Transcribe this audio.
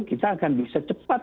kita akan bisa cepat